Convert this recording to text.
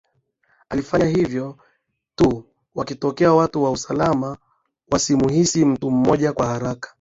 Alifanya hivyo ili tu wakitokea watu wa usalama wasimuhisi mtu mmoja kwa haraka